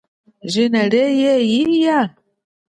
Jina lie iya?